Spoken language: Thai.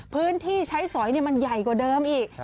พื้นที่ใช้สอยมันใหญ่กว่าเดิมอีก